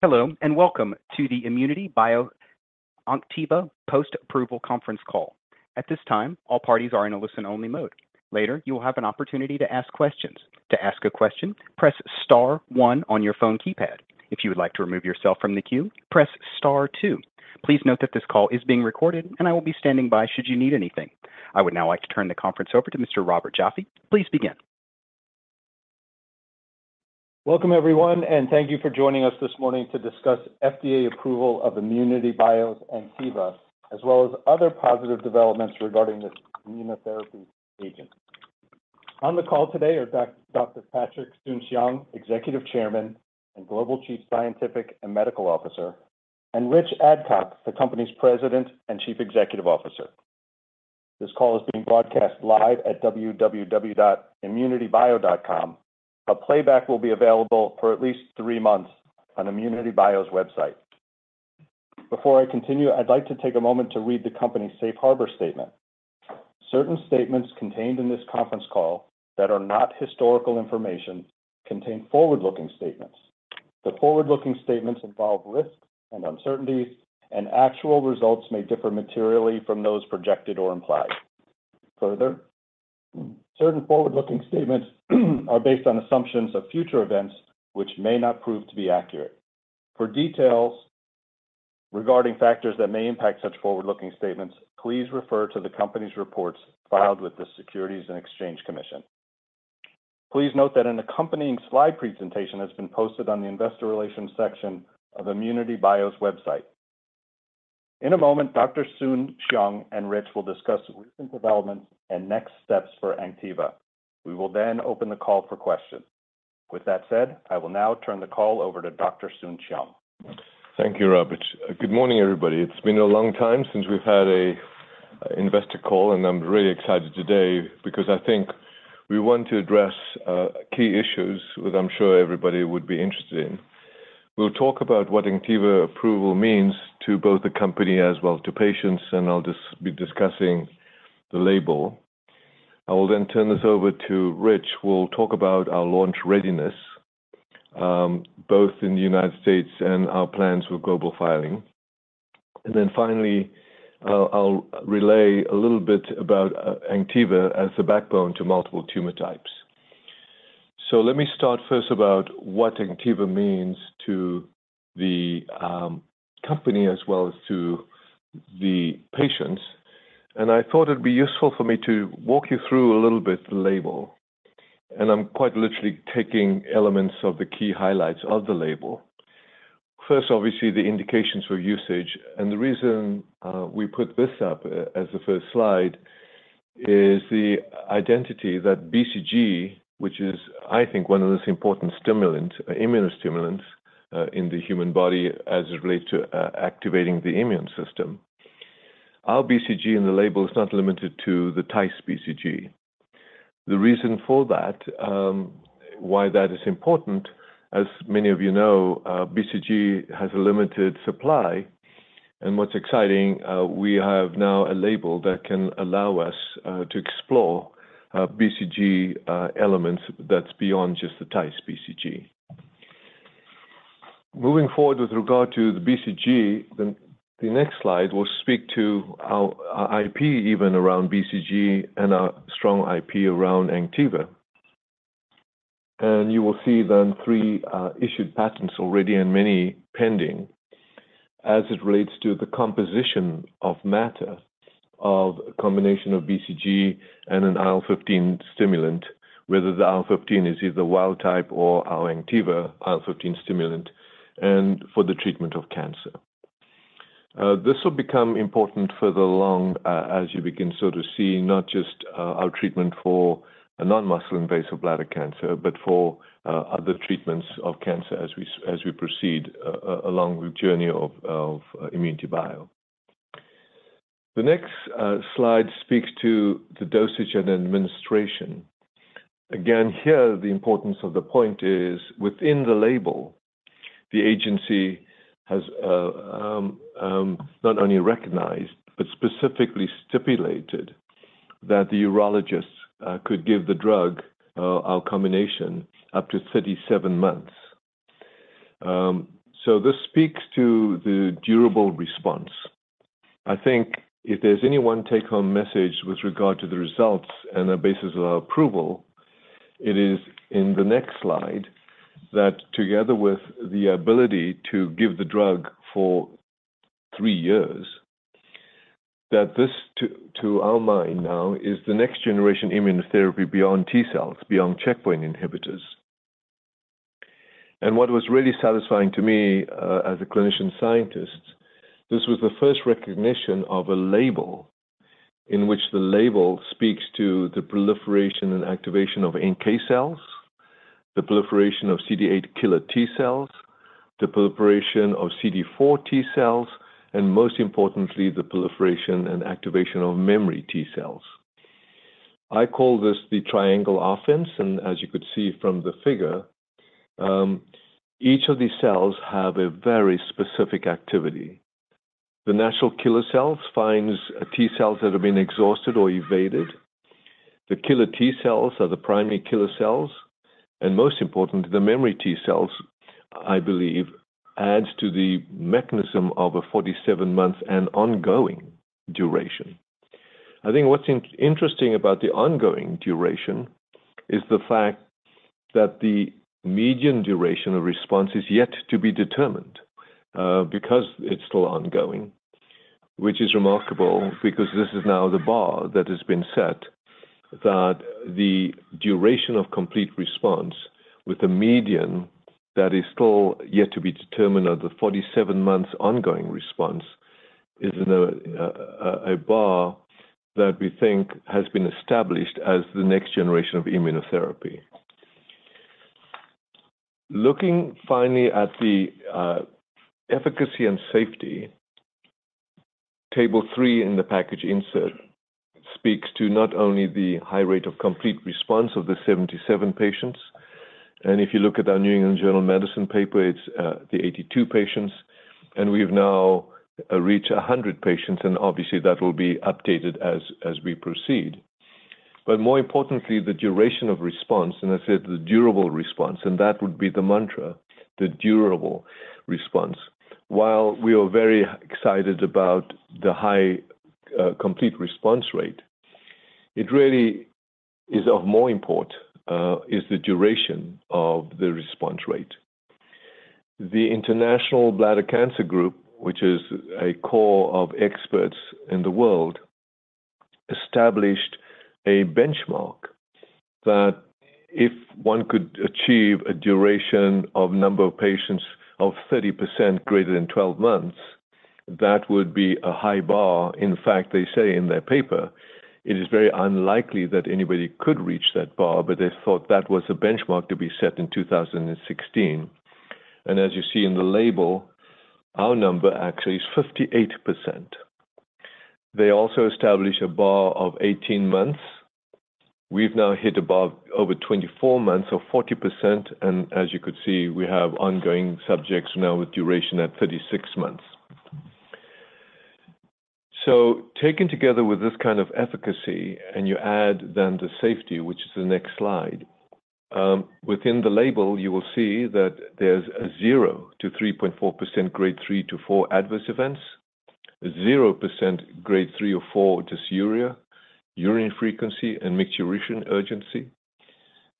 Hello, and welcome to the ImmunityBio ANKTIVA Post-Approval Conference Call. At this time, all parties are in a listen-only mode. Later, you will have an opportunity to ask questions. To ask a question, press star one on your phone keypad. If you would like to remove yourself from the queue, press star two. Please note that this call is being recorded and I will be standing by should you need anything. I would now like to turn the conference over to Mr. Robert Joffe. Please begin. Welcome everyone, and thank you for joining us this morning to discuss FDA approval of ImmunityBio's ANKTIVA, as well as other positive developments regarding this immunotherapy agent. On the call today are Dr. Patrick Soon-Shiong, Executive Chairman and Global Chief Scientific and Medical Officer, and Rich Adcock, the company's President and Chief Executive Officer. This call is being broadcast live at www.immunitybio.com. A playback will be available for at least three months on ImmunityBio's website. Before I continue, I'd like to take a moment to read the company's safe harbor statement. Certain statements contained in this conference call that are not historical information contain forward-looking statements. The forward-looking statements involve risks and uncertainties, and actual results may differ materially from those projected or implied. Further, certain forward-looking statements are based on assumptions of future events which may not prove to be accurate. For details regarding factors that may impact such forward-looking statements, please refer to the company's reports filed with the Securities and Exchange Commission. Please note that an accompanying slide presentation has been posted on the investor relations section of ImmunityBio's website. In a moment, Dr. Soon-Shiong and Rich will discuss recent developments and next steps for ANKTIVA. We will then open the call for questions. With that said, I will now turn the call over to Dr. Soon-Shiong. Thank you, Robert. Good morning, everybody. It's been a long time since we've had an investor call, and I'm really excited today because I think we want to address key issues, which I'm sure everybody would be interested in. We'll talk about what ANKTIVA approval means to both the company as well to patients, and I'll just be discussing the label. I will then turn this over to Rich, who will talk about our launch readiness both in the United States and our plans for global filing. And then finally, I'll relay a little bit about ANKTIVA as the backbone to multiple tumor types. So let me start first about what ANKTIVA means to the company as well as to the patients. I thought it'd be useful for me to walk you through a little bit the label, and I'm quite literally taking elements of the key highlights of the label. First, obviously, the indications for usage, and the reason we put this up as the first slide is the identity that BCG, which is, I think, one of the most important stimulant, immunostimulants, in the human body as it relates to activating the immune system. Our BCG in the label is not limited to the TICE BCG. The reason for that, why that is important, as many of you know, BCG has a limited supply, and what's exciting, we have now a label that can allow us to explore BCG elements that's beyond just the TICE BCG. Moving forward with regard to the BCG, then the next slide will speak to our IP, even around BCG and our strong IP around ANKTIVA. And you will see then three issued patents already and many pending as it relates to the composition of matter of a combination of BCG and an IL-15 stimulant, whether the IL-15 is either wild type or our ANKTIVA IL-15 stimulant, and for the treatment of cancer. This will become important further along, as you begin so to see not just our treatment for a non-muscle invasive bladder cancer, but for other treatments of cancer as we proceed along the journey of ImmunityBio. The next slide speaks to the dosage and administration. Again, here, the importance of the point is, within the label, the agency has not only recognized, but specifically stipulated that the urologists could give the drug, our combination, up to 37 months. So this speaks to the durable response. I think if there's any one take home message with regard to the results and the basis of our approval, it is in the next slide, that together with the ability to give the drug for three years, that this, to our mind now, is the next generation immunotherapy beyond T cells, beyond checkpoint inhibitors. What was really satisfying to me, as a clinician scientist, this was the first recognition of a label in which the label speaks to the proliferation and activation of NK cells, the proliferation of CD8 killer T cells, the proliferation of CD4 T cells, and most importantly, the proliferation and activation of memory T cells. I call this the triangle offense, and as you could see from the figure, each of these cells have a very specific activity. The natural killer cells finds T cells that have been exhausted or evaded. The killer T cells are the primary killer cells, and most important, the memory Tcells, I believe, adds to the mechanism of a 47-month and ongoing duration. I think what's interesting about the ongoing duration is the fact that the median duration of response is yet to be determined, because it's still ongoing, which is remarkable because this is now the bar that has been set, that the duration of complete response with a median that is still yet to be determined at the 47 months ongoing response, is now a bar that we think has been established as the next generation of immunotherapy. Looking finally at the efficacy and safety, Table 3 in the package insert speaks to not only the high rate of complete response of the 77 patients, and if you look at our New England Journal of Medicine paper, it's the 82 patients, and we've now reached 100 patients, and obviously that will be updated as we proceed. But more importantly, the duration of response, and I said, the durable response, and that would be the mantra, the durable response. While we are very excited about the high complete response rate, it really is of more importance is the duration of the response rate. The International Bladder Cancer Group, which is a core of experts in the world, established a benchmark that if one could achieve a duration of number of patients of 30% greater than 12 months, that would be a high bar. In fact, they say in their paper, it is very unlikely that anybody could reach that bar, but they thought that was a benchmark to be set in 2016. And as you see in the label, our number actually is 58%. They also established a bar of 18 months. We've now hit above over 24 months or 40%, and as you could see, we have ongoing subjects now with duration at 36 months. So taken together with this kind of efficacy, and you add then the safety, which is the next slide, within the label, you will see that there's a 0-3.4% Grade 3 to 4 adverse events, 0% Grade 3 or 4 dysuria, urine frequency, and micturition urgency,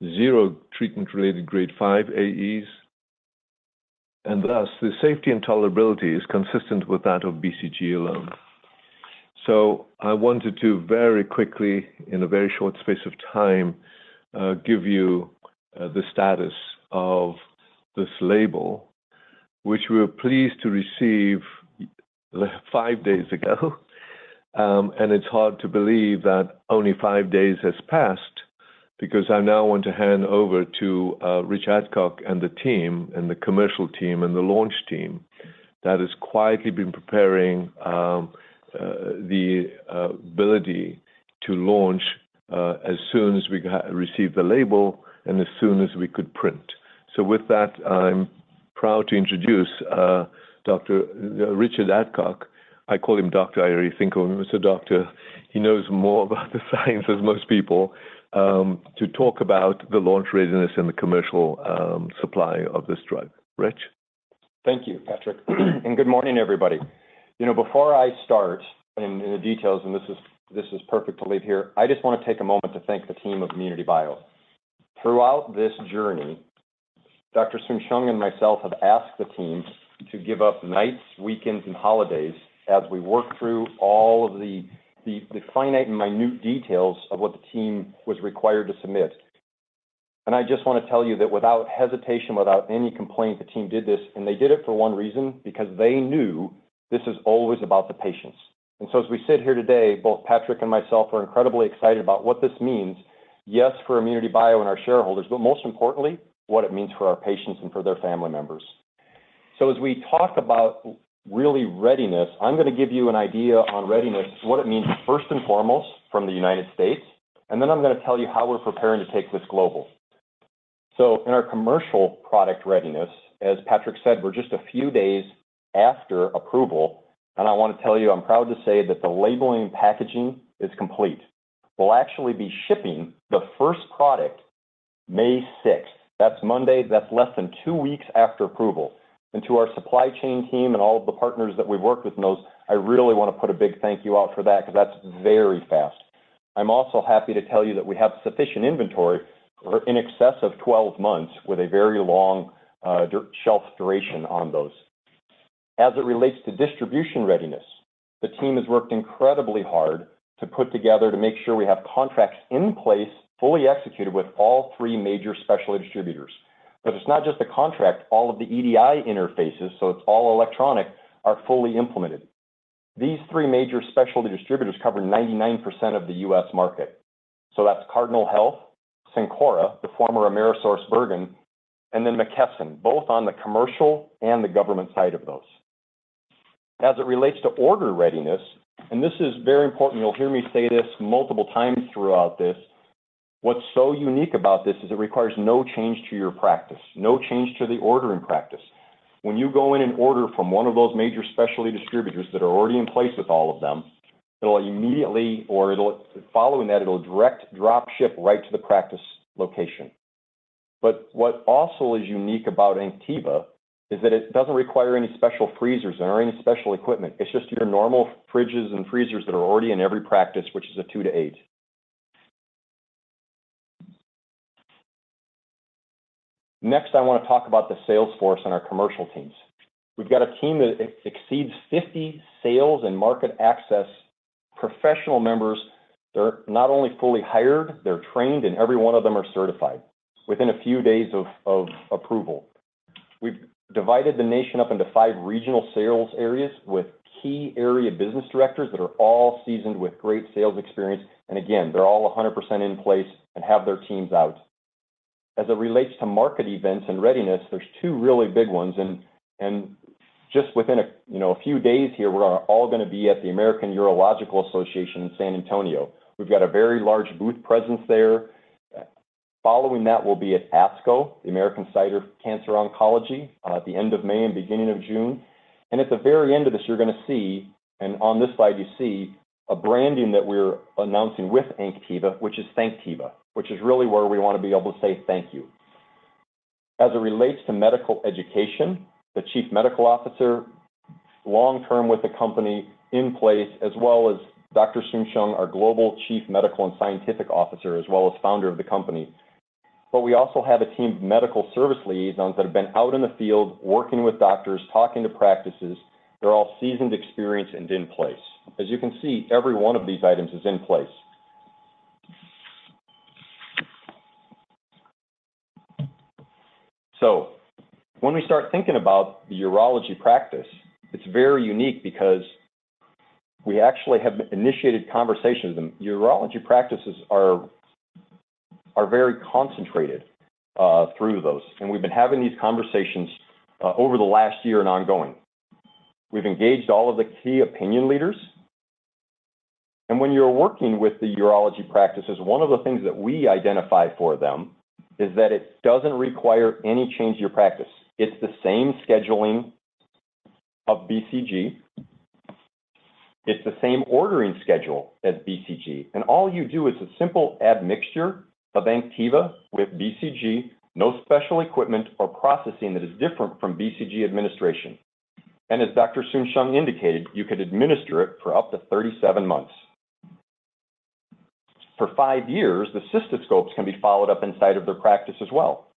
0 treatment-related, and thus, the safety and tolerability is consistent with that of BCG alone. So I wanted to, very quickly, in a very short space of time, give you, the status of this label, which we were pleased to receive five days ago. And it's hard to believe that only five days has passed, because I now want to hand over to Rich Adcock and the team, and the commercial team, and the launch team, that has quietly been preparing the ability to launch as soon as we received the label and as soon as we could print. So with that, I'm proud to introduce Dr. Richard Adcock. I call him Doctor. I already think of him as a doctor. He knows more about the science than most people to talk about the launch readiness and the commercial supply of this drug. Rich? Thank you, Patrick. Good morning, everybody. You know, before I start in the details, and this is perfect to leave here, I just wanna take a moment to thank the team of ImmunityBio. Throughout this journey, Dr. Soon-Shiong and myself have asked the team to give up nights, weekends, and holidays as we work through all of the finite and minute details of what the team was required to submit. I just wanna tell you that without hesitation, without any complaint, the team did this, and they did it for one reason, because they knew this is always about the patients. So as we sit here today, both Patrick and myself are incredibly excited about what this means, yes, for ImmunityBio and our shareholders, but most importantly, what it means for our patients and for their family members. So as we talk about really readiness, I'm gonna give you an idea on readiness, what it means, first and foremost, from the United States, and then I'm gonna tell you how we're preparing to take this global. So in our commercial product readiness, as Patrick said, we're just a few days after approval, and I want to tell you, I'm proud to say that the labeling and packaging is complete. We'll actually be shipping the first product May sixth. That's Monday. That's less than two weeks after approval. And to our supply chain team and all of the partners that we've worked with and those, I really wanna put a big thank you out for that because that's very fast. I'm also happy to tell you that we have sufficient inventory for in excess of 12 months, with a very long durable shelf duration on those. As it relates to distribution readiness, the team has worked incredibly hard to put together to make sure we have contracts in place, fully executed with all three major specialty distributors. But it's not just the contract, all of the EDI interfaces, so it's all electronic, are fully implemented. These three major specialty distributors cover 99% of the U.S. market. So that's Cardinal Health, Cencora, the former AmerisourceBergen, and then McKesson, both on the commercial and the government side of those. As it relates to order readiness, and this is very important, you'll hear me say this multiple times throughout this....What's so unique about this is it requires no change to your practice, no change to the ordering practice. When you go in and order from one of those major specialty distributors that are already in place with all of them, it'll immediately or it'll—following that, it'll direct drop ship right to the practice location. But what also is unique about ANKTIVA is that it doesn't require any special freezers or any special equipment. It's just your normal fridges and freezers that are already in every practice, which is a two to eight. Next, I want to talk about the sales force and our commercial teams. We've got a team that exceeds 50 sales and market access professional members. They're not only fully hired, they're trained, and every one of them are certified within a few days of approval. We've divided the nation up into five regional sales areas with key area business directors that are all seasoned with great sales experience. And again, they're all 100% in place and have their teams out. As it relates to market events and readiness, there's two really big ones, and, and just within a, you know, a few days here, we're all going to be at the American Urological Association in San Antonio. We've got a very large booth presence there. Following that, we'll be at ASCO, the American Society of Clinical Oncology, at the end of May and beginning of June. And at the very end of this, you're going to see, and on this slide, you see a branding that we're announcing with ANKTIVA, which is THANKTIVA, which is really where we want to be able to say thank you. As it relates to medical education, the chief medical officer, long-term with the company in place, as well as Dr. Soon-Shiong, our Global Chief Medical and Scientific Officer, as well as founder of the company. But we also have a team of medical service liaisons that have been out in the field, working with doctors, talking to practices. They're all seasoned, experienced, and in place. As you can see, every one of these items is in place. So when we start thinking about the urology practice, it's very unique because we actually have initiated conversations. The urology practices are very concentrated through those, and we've been having these conversations over the last year and ongoing. We've engaged all of the key opinion leaders, and when you're working with the urology practices, one of the things that we identify for them is that it doesn't require any change to your practice. It's the same scheduling of BCG. It's the same ordering schedule as BCG, and all you do is a simple admixture of ANKTIVA with BCG, no special equipment or processing that is different from BCG administration. And as Dr. Soon-Shiong indicated, you could administer it for up to 37 months. For five years, the cystoscopes can be followed up inside of their practice as well.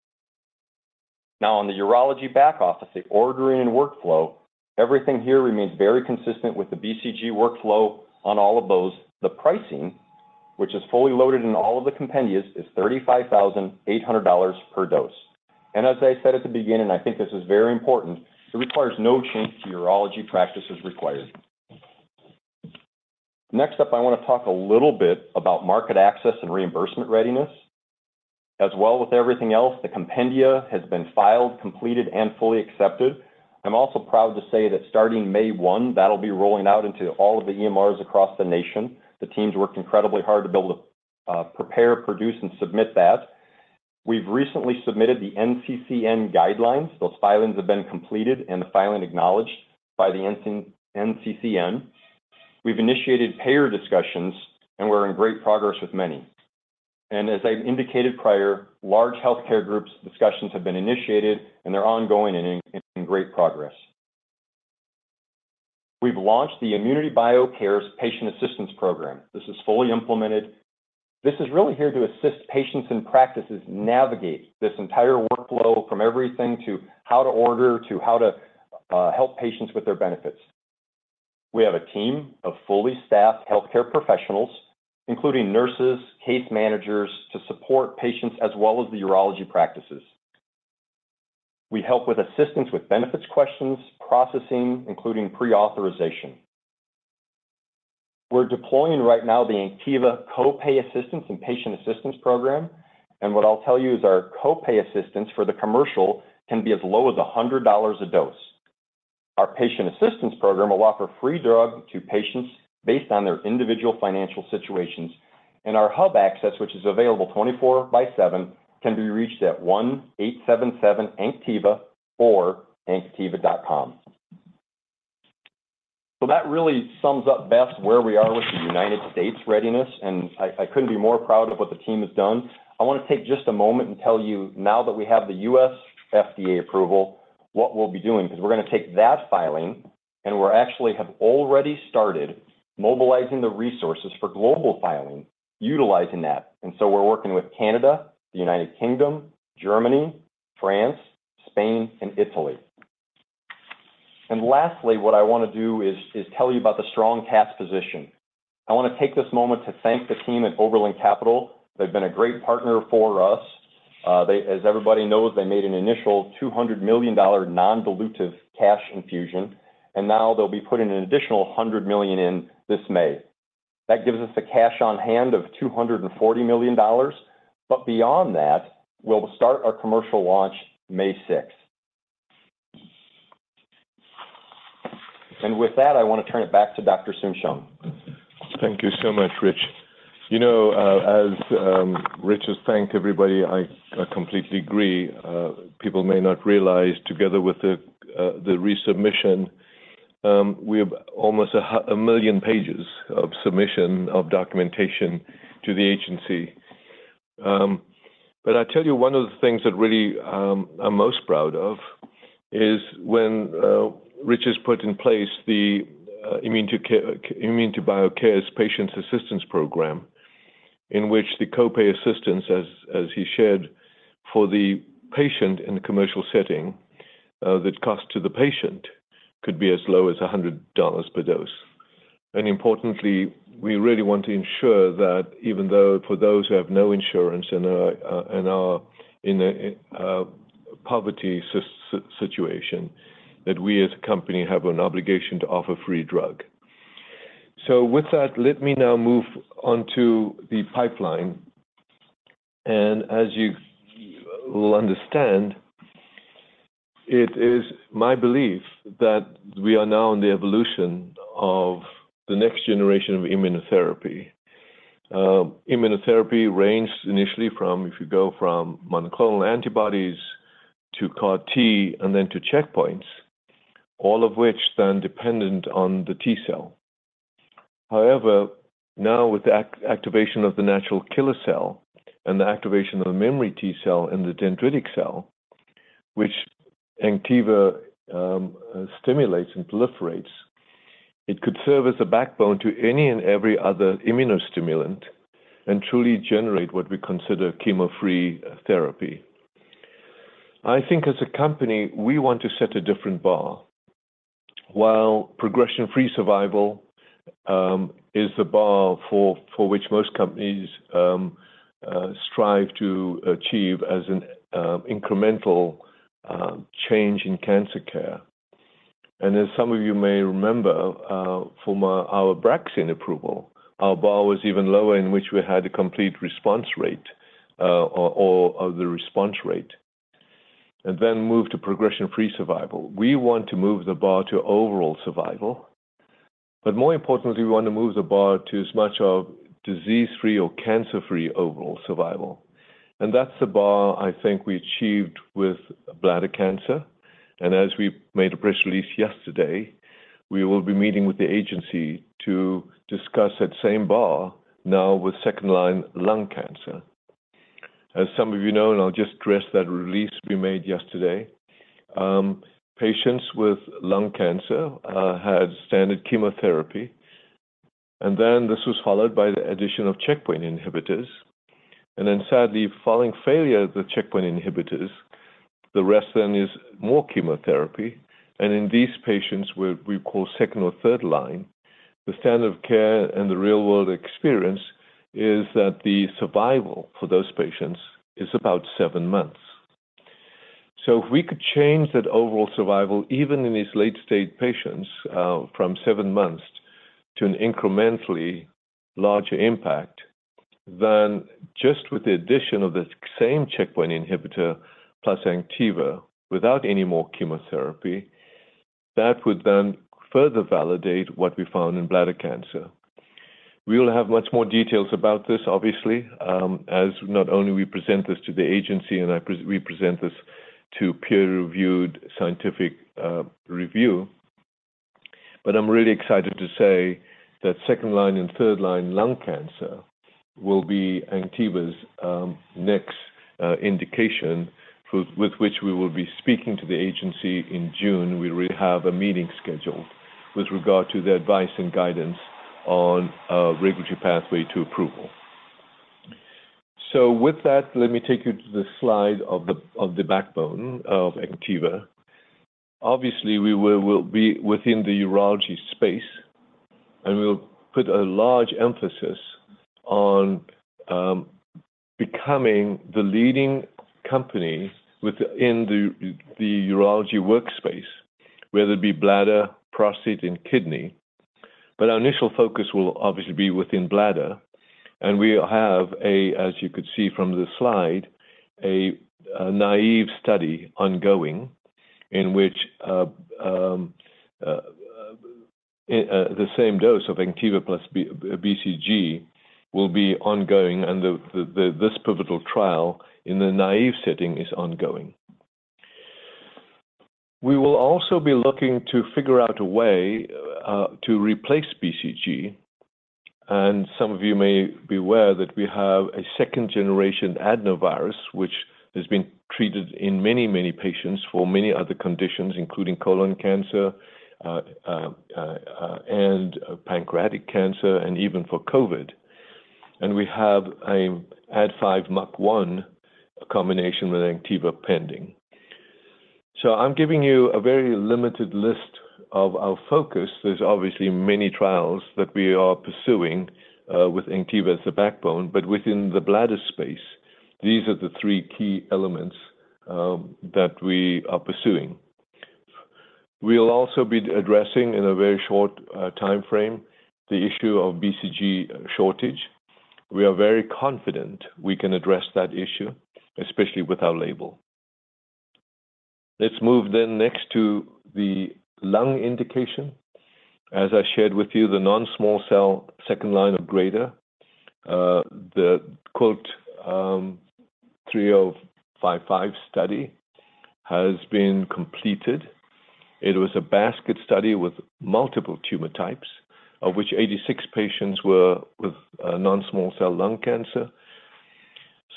Now, on the urology back office, the ordering and workflow, everything here remains very consistent with the BCG workflow on all of those. The pricing, which is fully loaded in all of the compendiums, is $35,800 per dose. And as I said at the beginning, I think this is very important, it requires no change to urology practices required. Next up, I want to talk a little bit about market access and reimbursement readiness. As well as with everything else, the compendia has been filed, completed, and fully accepted. I'm also proud to say that starting May 1, that'll be rolling out into all of the EMRs across the nation. The teams worked incredibly hard to be able to prepare, produce, and submit that. We've recently submitted the NCCN guidelines. Those filings have been completed, and the filing acknowledged by the NCCN. We've initiated payer discussions, and we're in great progress with many. And as I've indicated prior, large healthcare groups discussions have been initiated, and they're ongoing and in, in great progress. We've launched the ImmunityBio CARE's Patient Assistance Program. This is fully implemented. This is really here to assist patients and practices navigate this entire workflow, from everything to how to order to how to help patients with their benefits. We have a team of fully staffed healthcare professionals, including nurses, case managers, to support patients as well as the urology practices. We help with assistance with benefits questions, processing, including pre-authorization. We're deploying right now the ANKTIVA Copay Assistance and Patient Assistance Program, and what I'll tell you is our copay assistance for the commercial can be as low as $100 a dose. Our patient assistance program will offer free drug to patients based on their individual financial situations, and our hub access, which is available 24/7, can be reached at 1-877-ANKTIVA or anktiva.com. So that really sums up best where we are with the United States readiness, and I couldn't be more proud of what the team has done. I want to take just a moment and tell you, now that we have the U.S. FDA approval, what we'll be doing, because we're going to take that filing, and we actually have already started mobilizing the resources for global filing, utilizing that. And so we're working with Canada, the United Kingdom, Germany, France, Spain, and Italy. And lastly, what I want to do is tell you about the strong cash position. I want to take this moment to thank the team at Oberland Capital. They've been a great partner for us. They... As everybody knows, they made an initial $200 million non-dilutive cash infusion, and now they'll be putting an additional $100 million in this May. That gives us a cash on hand of $240 million, but beyond that, we'll start our commercial launch May 6. And with that, I want to turn it back to Dr. Soon-Shiong. Thank you so much, Rich. You know, as Rich has thanked everybody, I completely agree. People may not realize, together with the resubmission, we have almost 1 million pages of submission of documentation to the agency. But I tell you, one of the things that really I'm most proud of is when Rich has put in place the ImmunityBio CARE Patient Assistance Program, in which the copay assistance, as he shared, for the patient in the commercial setting, the cost to the patient could be as low as $100 per dose. And importantly, we really want to ensure that even though for those who have no insurance and are in a poverty situation, that we, as a company, have an obligation to offer free drug. So with that, let me now move on to the pipeline. And as you will understand, it is my belief that we are now in the evolution of the next generation of immunotherapy. Immunotherapy ranged initially from, if you go from monoclonal antibodies to CAR-T and then to checkpoints, all of which stand dependent on the T cell. However, now with the activation of the natural killer cell and the activation of the memory T cell and the dendritic cell, which ANKTIVA stimulates and proliferates, it could serve as a backbone to any and every other immunostimulant and truly generate what we consider chemo-free therapy. I think as a company, we want to set a different bar. While progression-free survival is the bar for which most companies strive to achieve as an incremental change in cancer care. As some of you may remember, from our Abraxane approval, our bar was even lower, in which we had a complete response rate or the response rate, and then moved to progression-free survival. We want to move the bar to overall survival, but more importantly, we want to move the bar to as much of disease-free or cancer-free overall survival. That's the bar I think we achieved with bladder cancer, and as we made a press release yesterday, we will be meeting with the agency to discuss that same bar now with second-line lung cancer. As some of you know, and I'll just address that release we made yesterday, patients with lung cancer had standard chemotherapy, and then this was followed by the addition of checkpoint inhibitors. Sadly, following failure of the checkpoint inhibitors, the rest then is more chemotherapy, and in these patients, we call second or third line. The standard of real-world experience is that the survival for those patients is about seven months. So if we could change that overall survival, even in these late-stage patients, from seven months to an incrementally larger impact, then just with the addition of this same checkpoint inhibitor plus ANKTIVA, without any more chemotherapy, that would then further validate what we found in bladder cancer. We will have much more details about this, obviously, as not only we present this to the agency and we present this to peer-reviewed scientific review, but I'm really excited to say that second-line and third-line lung cancer will be ANKTIVA's next indication with which we will be speaking to the agency in June. We already have a meeting scheduled with regard to the advice and guidance on a regulatory pathway to approval. So with that, let me take you to the slide of the backbone of ANKTIVA. Obviously, we will be within the urology space, and we'll put a large emphasis on becoming the leading company with in the urology workspace, whether it be bladder, prostate, and kidney. But our initial focus will obviously be within bladder, and we have, as you could see from the slide, a naive study ongoing, in which the same dose of ANKTIVA plus BCG will be ongoing, and this pivotal trial in the naive setting is ongoing. We will also be looking to figure out a way to replace BCG, and some of you may be aware that we have a second-generation adenovirus, which has been treated in many, many patients for many other conditions, including colon cancer, and pancreatic cancer and even for COVID. And we have a Ad5-MUC1 combination with ANKTIVA pending. So I'm giving you a very limited list of our focus. There's obviously many trials that we are pursuing with ANKTIVA as the backbone, but within the bladder space, these are the three key elements that we are pursuing. We'll also be addressing, in a very short timeframe, the issue of BCG shortage. We are very confident we can address that issue, especially with our label. Let's move then next to the lung indication. As I shared with you, the non-small cell second line of greater, the quote, 3.055 study has been completed. It was a basket study with multiple tumor types, of which 86 patients were with non-small cell lung cancer.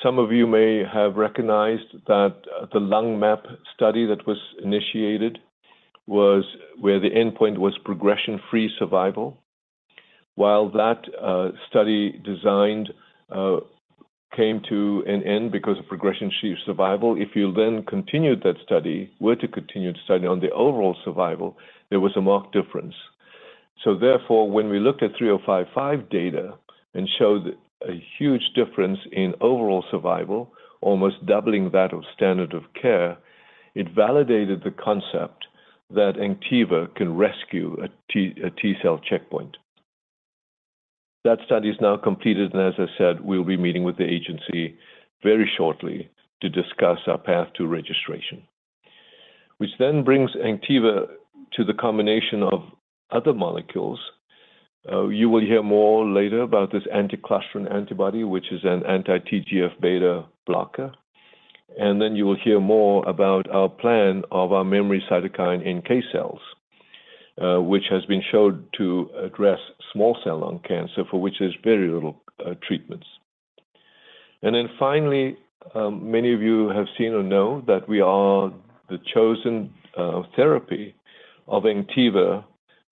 Some of you may have recognized that the lung map study that was initiated was where the endpoint was progression-free survival. While that study designed came to an end because of progression-free survival, if you then continued that study, were to continue the study on the overall survival, there was a marked difference. So therefore, when we looked at 3.055 data and showed a huge difference in overall survival, almost doubling that of standard of care, it validated the concept that ANKTIVA can rescue a T, a T cell checkpoint. That study is now completed, and as I said, we'll be meeting with the agency very shortly to discuss our path to registration. Which then brings ANKTIVA to the combination of other molecules. You will hear more later about this anti-clusterin antibody, which is an anti-TGF beta blocker. And then you will hear more about our plan of our memory cytokine-induced NK cells, which has been showed to address small cell lung cancer, for which there's very little treatments. And then finally, many of you have seen or know that we are the chosen therapy of ANKTIVA,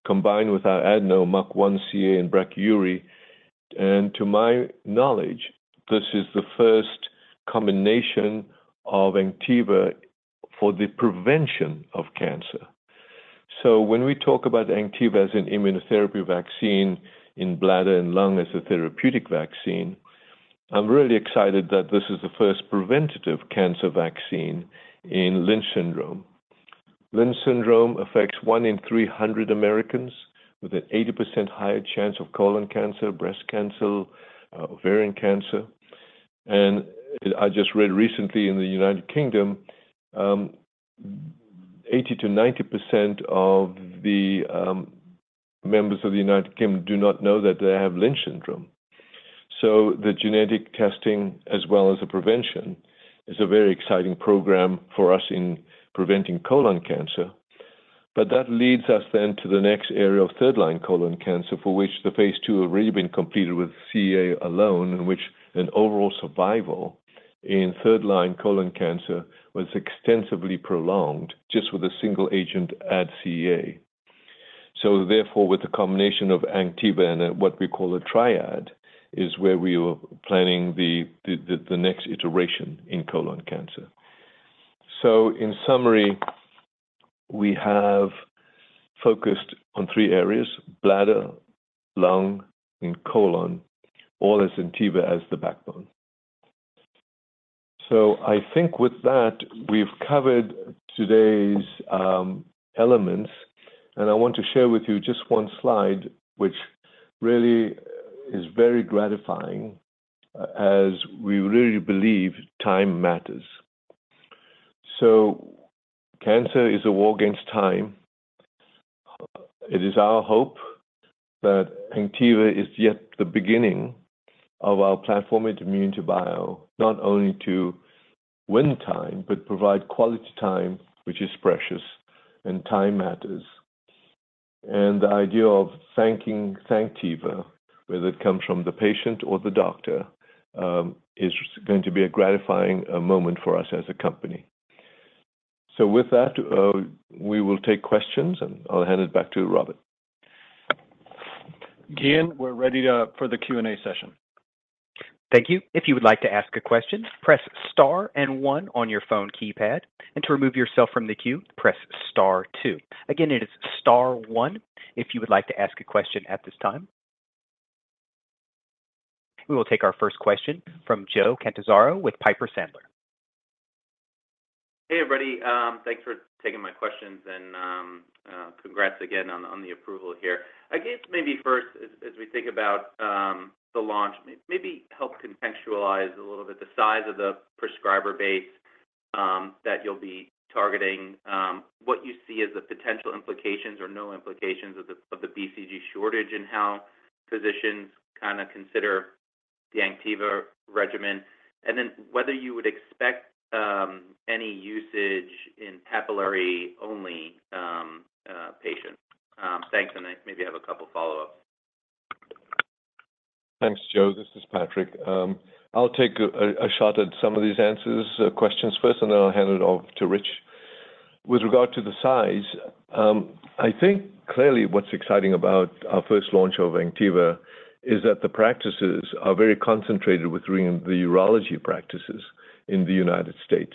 combined with our adeno MUC1 CEA and brachyury. And to my knowledge, this is the first combination of ANKTIVA for the prevention of cancer. So when we talk about ANKTIVA as an immunotherapy vaccine in bladder and lung, as a therapeutic vaccine, I'm really excited that this is the first preventative cancer vaccine in Lynch syndrome. Lynch syndrome affects one in 300 Americans, with an 80% higher chance of colon cancer, breast cancer, ovarian cancer. I just read recently in the United Kingdom, 80%-90% of the members of the United Kingdom do not know that they have Lynch syndrome. So the genetic testing, as well as the prevention, is a very exciting program for us in preventing colon cancer. But that leads us then to the next area of third line colon cancer, for which the phase II have already been completed with CEA alone, in which an overall survival in third line colon cancer was extensively prolonged just with a single agent CEA. So therefore, with the combination of ANKTIVA and what we call a triad, is where we are planning the next iteration in colon cancer. So in summary, we have focused on three areas: bladder, lung, and colon, all as ANKTIVA as the backbone. So I think with that, we've covered today's elements, and I want to share with you just one slide, which really is very gratifying as we really believe time matters. Cancer is a war against time. It is our hope that ANKTIVA is yet the beginning of our platform at ImmunityBio, not only to win time, but provide quality time, which is precious and time matters. The idea of THANKTIVA, whether it comes from the patient or the doctor, is going to be a gratifying moment for us as a company. With that, we will take questions, and I'll hand it back to Robert. Gian, we're ready for the Q&A session. Thank you. If you would like to ask a question, press star and one on your phone keypad, and to remove yourself from the queue, press star two. Again, it is star one, if you would like to ask a question at this time. We will take our first question from Joe Catanzaro with Piper Sandler. Hey, everybody, thanks for taking my questions and, congrats again on, on the approval here. I guess maybe first, as, as we think about, the launch, may-maybe help contextualize a little bit the size of the prescriber base, that you'll be targeting, what you see as the potential implications or no implications of the, of the BCG shortage, and how physicians kinda consider the ANKTIVA regimen. And then whether you would expect, any usage in papillary-only patient. Thanks, and I maybe have a couple follow-up. Thanks, Joe. This is Patrick. I'll take a shot at some of these answers, questions first, and then I'll hand it off to Rich. With regard to the size, I think clearly what's exciting about our first launch of ANKTIVA is that the practices are very concentrated within the urology practices in the United States.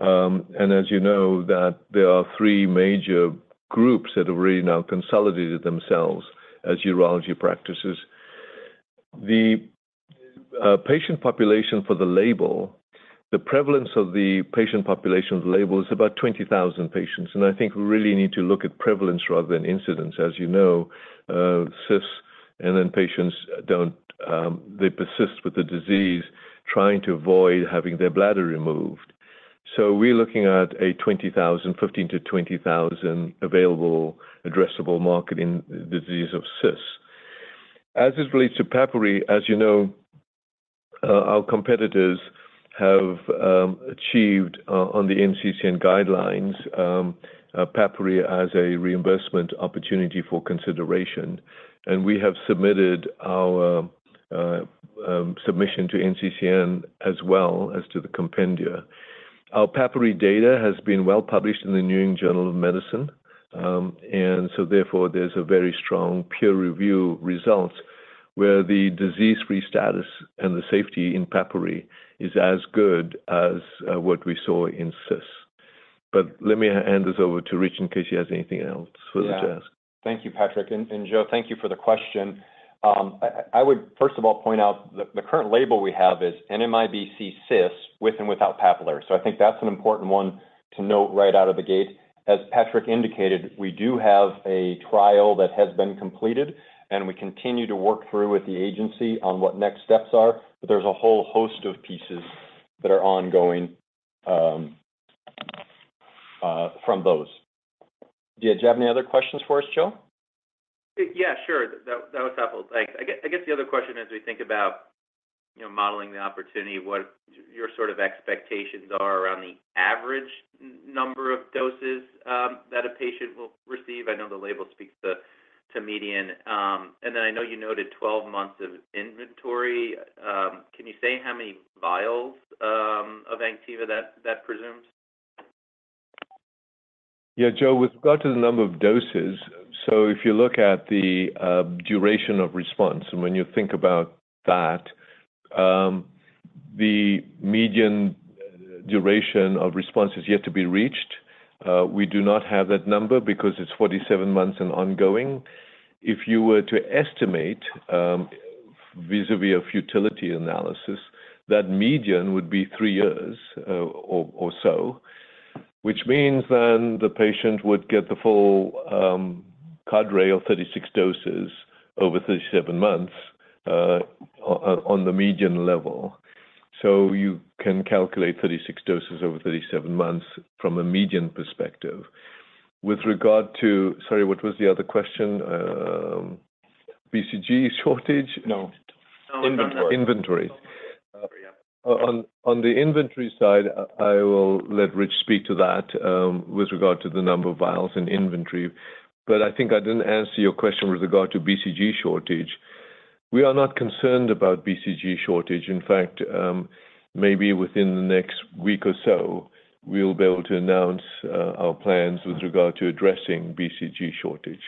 And as you know, that there are three major groups that have already now consolidated themselves as urology practices. The patient population for the label, the prevalence of the patient population of the label is about 20,000 patients, and I think we really need to look at prevalence rather than incidence. As you know, CIS. And then patients don't, they persist with the disease, trying to avoid having their bladder removed. We're looking at a 20,000, 15 to 20,000 available addressable market in disease of CIS. As it relates to papillary, as you know, our competitors have achieved on the NCCN guidelines, papillary as a reimbursement opportunity for consideration. We have submitted our submission to NCCN as well as to the compendia. Our papillary data has been well published in the New England Journal of Medicine, and so therefore, there's a very strong peer review results, where the disease-free status and the safety in papillary is as good as what we saw in CIS. But let me hand this over to Rich in case he has anything else further to ask. Yeah. Thank you, Patrick, and Joe, thank you for the question. I would first of all point out the current label we have is NMIBC CIS, with and without papillary. So I think that's an important one to note right out of the gate. As Patrick indicated, we do have a trial that has been completed, and we continue to work through with the agency on what next steps are, but there's a whole host of pieces that are ongoing from those. Did you have any other questions for us, Joe? Yeah, sure. That was helpful. Thanks. I get... I guess the other question, as we think about, you know, modeling the opportunity, what your sort of expectations are around the average number of doses that a patient will receive? I know the label speaks to median. And then I know you noted 12 months of inventory. Can you say how many vials of ANKTIVA that presumes? Yeah, Joe, with regard to the number of doses, so if you look at the duration of response, and when you think about that, the median duration of response is yet to be reached. We do not have that number because it's 47 months and ongoing. If you were to estimate, vis-à-vis a futility analysis, that median would be three years, or so, which means then the patient would get the full cure rate of 36 doses over 37 months, on the median level. So you can calculate 36 doses over 37 months from a median perspective. With regard to... Sorry, what was the other question? BCG shortage? No. Inventory. Inventory. Yeah. On the inventory side, I will let Rich speak to that, with regard to the number of vials in inventory, but I think I didn't answer your question with regard to BCG shortage. We are not concerned about BCG shortage. In fact, maybe within the next week or so, we'll be able to announce our plans with regard to addressing BCG shortage.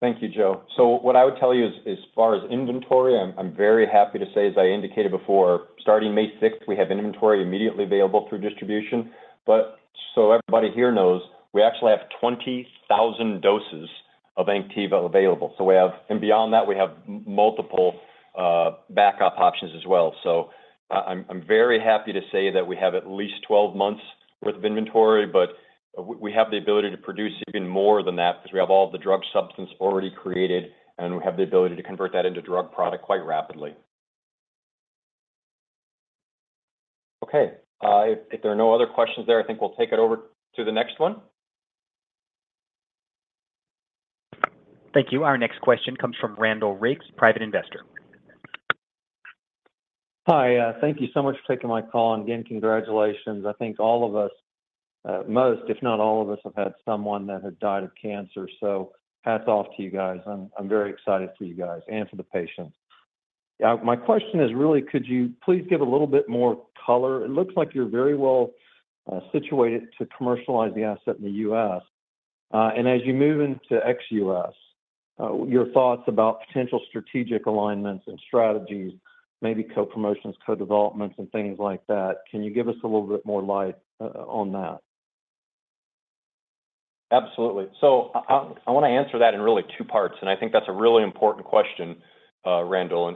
Thank you, Joe. So what I would tell you is, as far as inventory, I'm very happy to say, as I indicated before, starting May sixth, we have inventory immediately available through distribution. But so everybody here knows, we actually have 20,000 doses of ANKTIVA available. So we have and beyond that, we have multiple backup options as well. So I'm very happy to say that we have at least 12 months worth of inventory, but we have the ability to produce even more than that, 'cause we have all the drug substance already created, and we have the ability to convert that into drug product quite rapidly. Okay, if there are no other questions there, I think we'll take it over to the next one. Thank you. Our next question comes from Randall Riggs, private investor. Hi, thank you so much for taking my call, and again, congratulations. I think all of us, most, if not all of us, have had someone that had died of cancer, so hats off to you guys. I'm very excited for you guys and for the patients. My question is really, could you please give a little bit more color? It looks like you're very well situated to commercialize the asset in the U.S.. And as you move into ex-US, your thoughts about potential strategic alignments and strategies, maybe co-promotions, co-developments, and things like that. Can you give us a little bit more light on that? Absolutely. So I want to answer that in really two parts, and I think that's a really important question, Randall,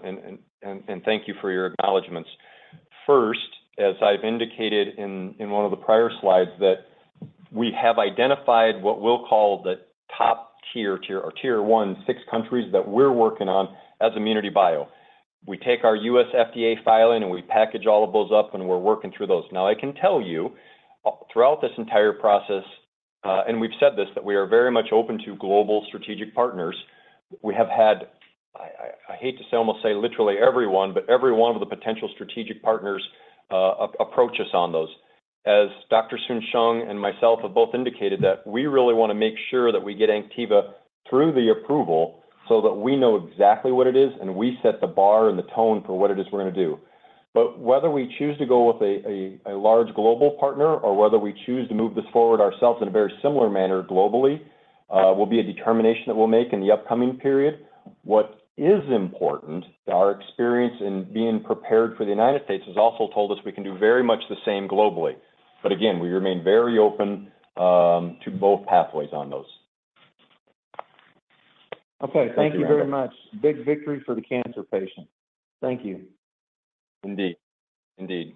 and thank you for your acknowledgments. First, as I've indicated in one of the prior slides, that we have identified what we'll call the top tier or tier one, six countries that we're working on as ImmunityBio. We take our U.S. FDA filing, and we package all of those up, and we're working through those. Now, I can tell you, throughout this entire process, and we've said this, that we are very much open to global strategic partners. We have had... I hate to say, almost, say, literally everyone, but every one of the potential strategic partners, approach us on those. As Dr. Soon-Shiong and myself have both indicated that we really want to make sure that we get ANKTIVA through the approval so that we know exactly what it is, and we set the bar and the tone for what it is we're gonna do. But whether we choose to go with a large global partner or whether we choose to move this forward ourselves in a very similar manner globally will be a determination that we'll make in the upcoming period. What is important, our experience in being prepared for the United States, has also told us we can do very much the same globally. But again, we remain very open to both pathways on those. Okay. Thank you, Randall. Thank you very much. Big victory for the cancer patient. Thank you. Indeed. Indeed....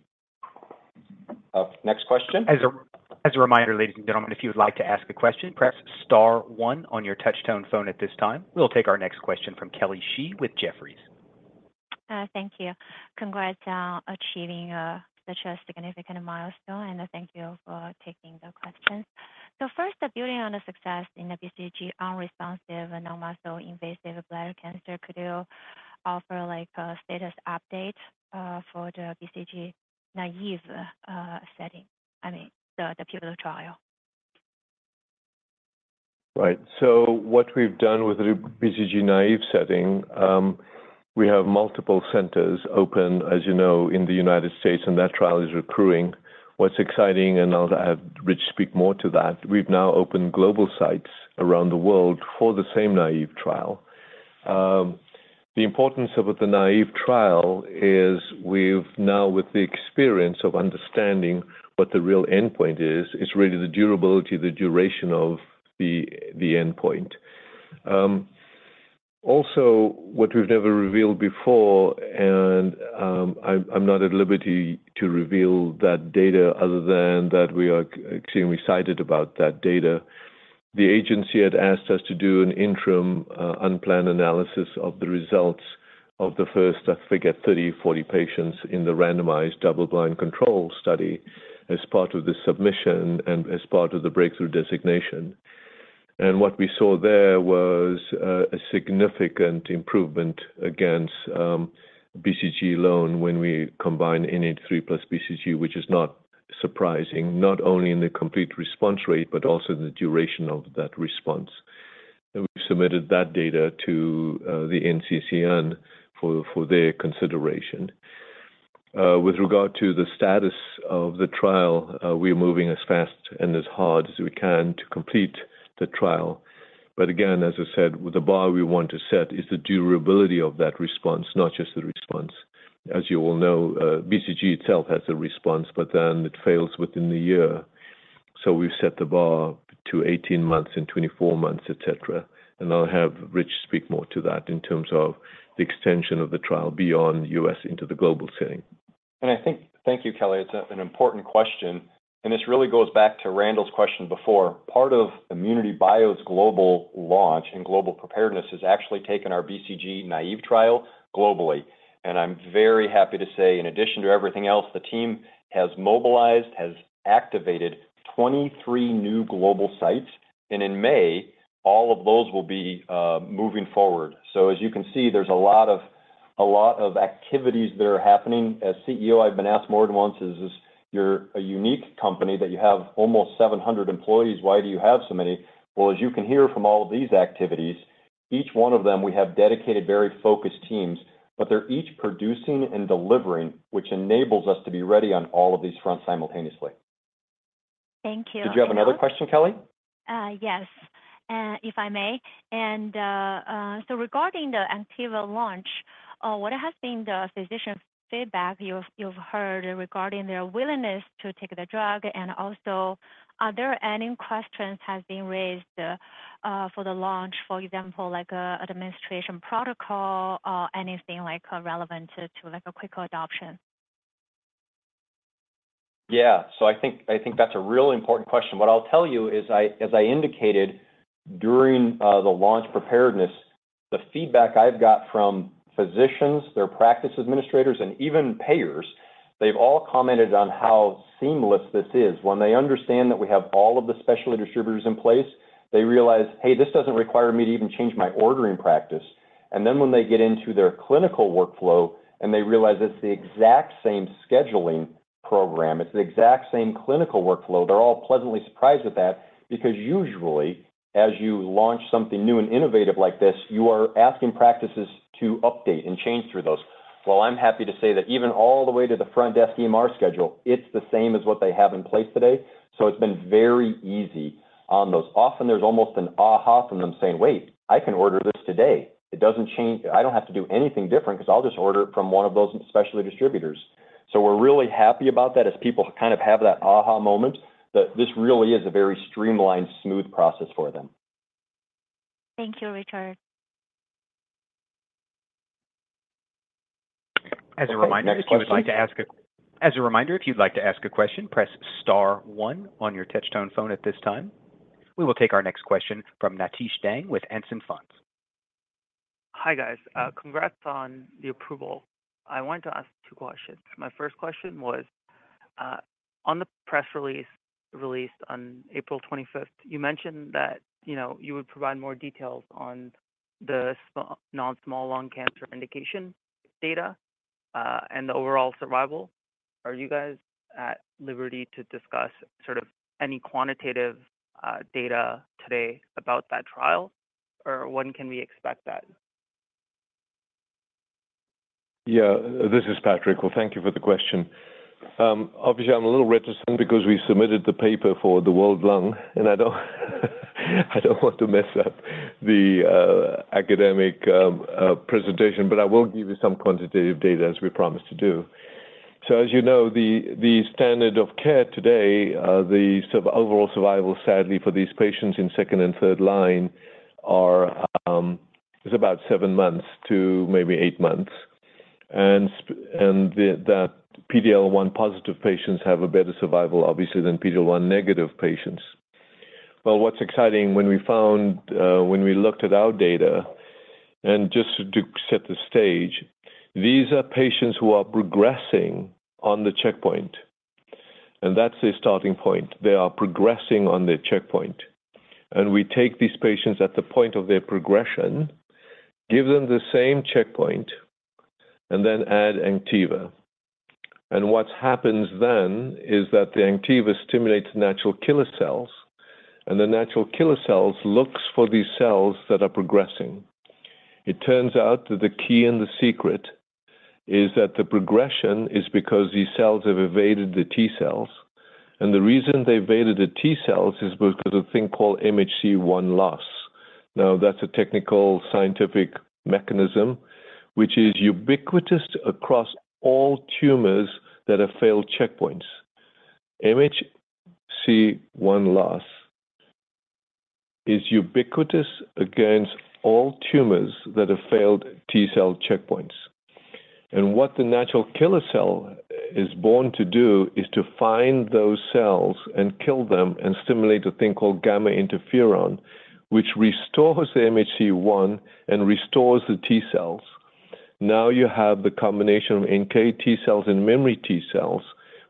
Next question. As a reminder, ladies and gentlemen, if you would like to ask a question, press star one on your touchtone phone at this time. We'll take our next question from Kelly Shi with Jefferies. Thank you. Congrats on achieving such a significant milestone, and thank you for taking the questions. So first, building on the success in the BCG-unresponsive non-muscle invasive bladder cancer, could you offer, like, a status update for the BCG-naive setting? I mean, the pivotal trial. Right. So what we've done with the BCG-naive setting, we have multiple centers open, as you know, in the United States, and that trial is recruiting. What's exciting, and I'll have Rich speak more to that, we've now opened global sites around the world for the same naive trial. The importance of the naive trial is we've now, with the experience of understanding what the real endpoint is, it's really the durability, the duration of the endpoint. Also, what we've never revealed before, and I'm not at liberty to reveal that data other than that we are extremely excited about that data. The agency had asked us to do an interim unplanned analysis of the results of the first, I forget, 30, 40 patients in the randomized double blind control study as part of the submission and as part of the breakthrough designation. What we saw there was a significant improvement against BCG alone when we combine N-803 plus BCG, which is not surprising, not only in the complete response rate, but also in the duration of that response. We've submitted that data to the NCCN for their consideration. With regard to the status of the trial, we are moving as fast and as hard as we can to complete the trial. But again, as I said, the bar we want to set is the durability of that response, not just the response. As you all know, BCG itself has a response, but then it fails within the year. So we've set the bar to 18 months and 24 months, et cetera, and I'll have Rich speak more to that in terms of the extension of the trial beyond U.S. into the global setting. And I think... Thank you, Kelly. It's an important question, and this really goes back to Randall's question before. Part of ImmunityBio's global launch and global preparedness has actually taken our BCG naïve trial globally. And I'm very happy to say, in addition to everything else, the team has mobilized, has activated 23 new global sites, and in May, all of those will be moving forward. So as you can see, there's a lot of activities that are happening. As CEO, I've been asked more than once, is this... You're a unique company, that you have almost 700 employees. Why do you have so many? Well, as you can hear from all of these activities, each one of them, we have dedicated, very focused teams, but they're each producing and delivering, which enables us to be ready on all of these fronts simultaneously. Thank you. Did you have another question, Kelly? Yes, if I may. And, so regarding the ANKTIVA launch, what has been the physician feedback you've heard regarding their willingness to take the drug? And also, are there any questions has been raised for the launch, for example, like, a administration protocol or anything like relevant to, to like a quicker adoption? Yeah. So I think, I think that's a really important question. What I'll tell you is, as I indicated during the launch preparedness, the feedback I've got from physicians, their practice administrators, and even payers, they've all commented on how seamless this is. When they understand that we have all of the specialty distributors in place, they realize, "Hey, this doesn't require me to even change my ordering practice." And then when they get into their clinical workflow and they realize it's the exact same scheduling program, it's the exact same clinical workflow, they're all pleasantly surprised at that. Because usually, as you launch something new and innovative like this, you are asking practices to update and change through those. Well, I'm happy to say that even all the way to the front [SDMR]schedule, it's the same as what they have in place today. It's been very easy on those. Often there's almost an aha from them saying: Wait, I can order this today. It doesn't change. I don't have to do anything different because I'll just order it from one of those specialty distributors. So we're really happy about that as people kind of have that aha moment, that this really is a very streamlined, smooth process for them. Thank you, Richard. As a reminder, if you'd like to ask a question, press star one on your touchtone phone at this time. We will take our next question Nitish Dang with Anson Funds. Hi, guys, congrats on the approval. I wanted to ask two questions. My first question was, on the press release, released on April 25th, you mentioned that, you know, you would provide more details on the small, non-small lung cancer indication data, and the overall survival. Are you guys at liberty to discuss sort of any quantitative, data today about that trial? Or when can we expect that? Yeah, this is Patrick. Well, thank you for the question. Obviously, I'm a little reticent because we submitted the paper for the World Lung, and I don't want to mess up the academic presentation, but I will give you some quantitative data as we promised to do. So as you know, the standard of care today, the sort of overall survival, sadly, for these patients in second and third line are. It's about seven months to maybe eight months. And the that PD-L1 positive patients have a better survival, obviously, than PD-L1 negative patients. Well, what's exciting, when we found, when we looked at our data, and just to set the stage, these are patients who are progressing on the checkpoint, and that's their starting point. They are progressing on their checkpoint. And we take these patients at the point of their progression, give them the same checkpoint, and then add ANKTIVA. And what happens then is that the ANKTIVA stimulates natural killer cells, and the natural killer cells looks for these cells that are progressing. It turns out that the key and the secret is that the progression is because these cells have evaded the T cells. And the reason they've evaded the T cells is because of a thing called MHC-I loss. Now, that's a technical scientific mechanism, which is ubiquitous across all tumors that have failed checkpoints. MHC-I loss is ubiquitous against all tumors that have failed T cell checkpoints. And what the natural killer cell is born to do is to find those cells and kill them and stimulate a thing called gamma interferon, which restores the MHC-I and restores the T cells. Now, you have the combination of NK T cells and memory T cells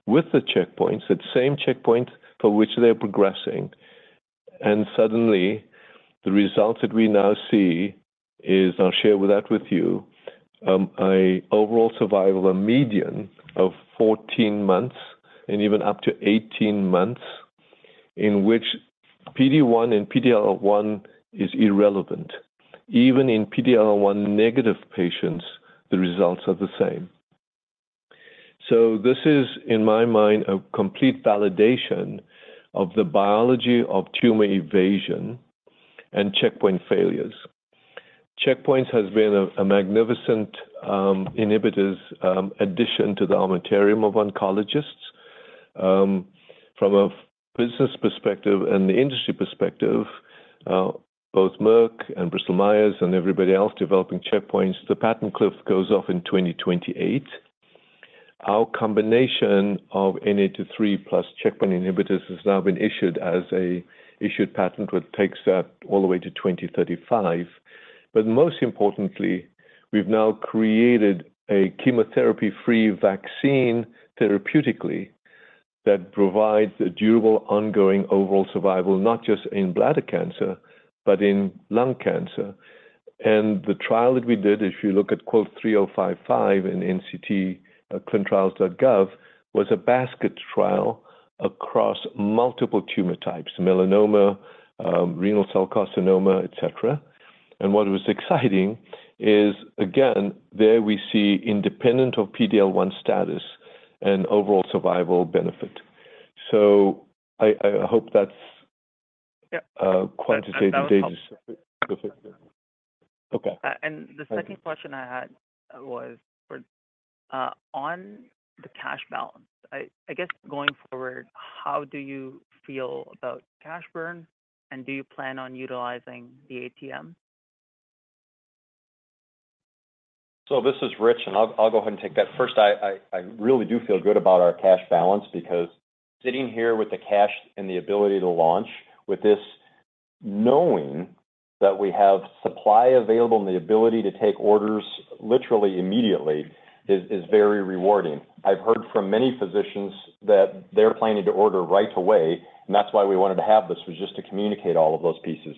with the checkpoints, that same checkpoint for which they're progressing. And suddenly, the results that we now see is. I'll share that with you, an overall survival, a median of 14 months and even up to 18 months, in which PD-1 and PD-L1 is irrelevant. Even in PD-L1 negative patients, the results are the same. So this is, in my mind, a complete validation of the biology of tumor evasion and checkpoint failures. Checkpoint inhibitors have been a magnificent addition to the armamentarium o f oncologists. From a business perspective and the industry perspective, both Merck and Bristol Myers Squibb and everybody else developing checkpoints, the patent cliff goes off in 2028. Our combination of N-803 plus checkpoint inhibitors has now been issued as a issued patent, which takes that all the way to 2035. But most importantly, we've now created a chemotherapy-free vaccine therapeutically, that provides a durable, ongoing overall survival, not just in bladder cancer, but in lung cancer. And the trial that we did, if you look at NCT 03055 in clinicaltrials.gov, was a basket trial across multiple tumor types: melanoma, renal cell carcinoma, et cetera. And what was exciting is, again, there we see independent of PD-L1 status and overall survival benefit. So I hope that's- Yeah. Quantitative data. Okay. The second question I had was for on the cash balance. I guess, going forward, how do you feel about cash burn, and do you plan on utilizing the ATM? So this is Rich, and I'll go ahead and take that. First, I really do feel good about our cash balance because sitting here with the cash and the ability to launch with this, knowing that we have supply available and the ability to take orders literally immediately is very rewarding. I've heard from many physicians that they're planning to order right away, and that's why we wanted to have this, was just to communicate all of those pieces.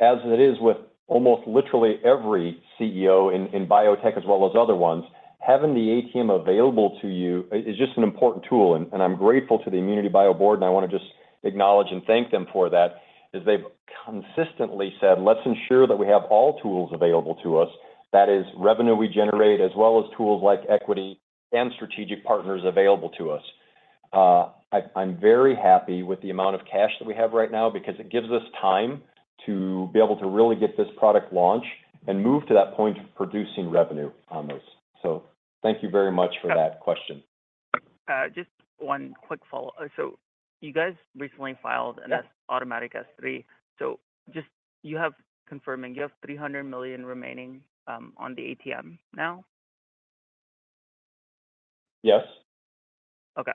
As it is with almost literally every CEO in biotech as well as other ones, having the ATM available to you is just an important tool, and I'm grateful to the ImmunityBio board, and I wanna just acknowledge and thank them for that, as they've consistently said, "Let's ensure that we have all tools available to us. That is revenue we generate, as well as tools like equity and strategic partners available to us." I'm very happy with the amount of cash that we have right now because it gives us time to be able to really get this product launched and move to that point of producing revenue on this. So thank you very much for that question. Just one quick follow-up. So you guys recently filed- Yeah. an S-3, automatic S-3. So just confirming you have $300 million remaining on the ATM now? Yes. Okay.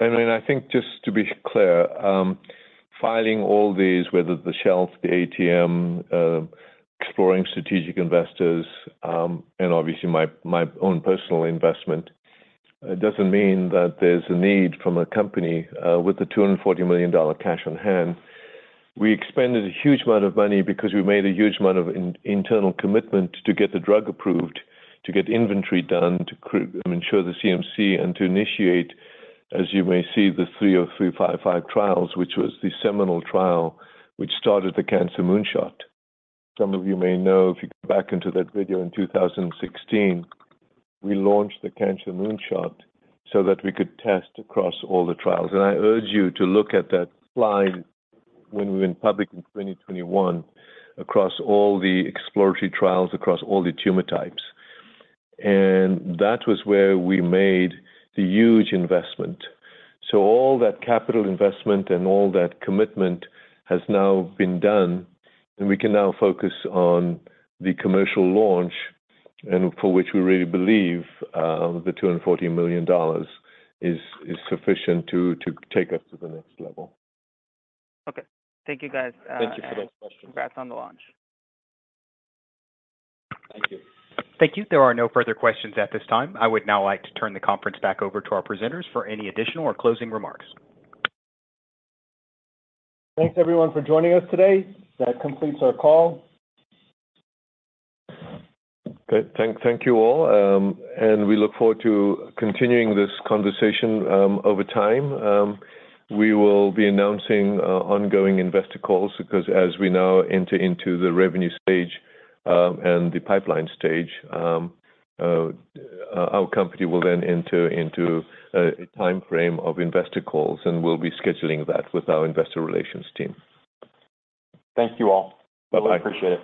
And then I think just to be clear, filing all these, whether the shelf, the ATM, exploring strategic investors, and obviously my, my own personal investment, doesn't mean that there's a need from a company with the $240 million cash on hand. We expended a huge amount of money because we made a huge amount of internal commitment to get the drug approved, to get inventory done, to ensure the CMC, and to initiate, as you may see, the 3.055 trials, which was the seminal trial, which started the Cancer Moonshot. Some of you may know, if you go back into that video in 2016, we launched the Cancer Moonshot so that we could test across all the trials. I urge you to look at that slide when we went public in 2021 across all the exploratory trials, across all the tumor types. That was where we made the huge investment. All that capital investment and all that commitment has now been done, and we can now focus on the commercial launch, and for which we really believe the $240 million is sufficient to take us to the next level. Okay. Thank you, guys. Thank you for that question. Congrats on the launch. Thank you. Thank you. There are no further questions at this time. I would now like to turn the conference back over to our presenters for any additional or closing remarks. Thanks, everyone, for joining us today. That completes our call. Good. Thank you all, and we look forward to continuing this conversation over time. We will be announcing ongoing investor calls, because as we now enter into the revenue stage, and the pipeline stage, our company will then enter into a timeframe of investor calls, and we'll be scheduling that with our investor relations team. Thank you all. Bye-bye. We appreciate it.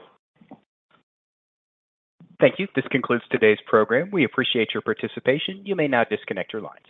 Thank you. This concludes today's program. We appreciate your participation. You may now disconnect your lines.